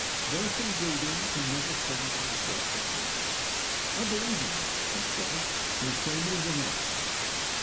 Birth and breeding can never fail to assert themselves: I believe in them, thank God, more firmly than ever.